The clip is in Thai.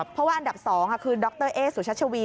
เพราะว่าอันดับ๒คือดรเอ๊สุชัชวี